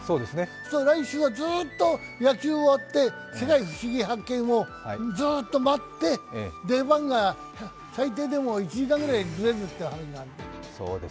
来週はずっと野球終わって、「世界ふしぎ発見！」をずーっと待って、出番が最低でも１時間ぐらいずれるって話か。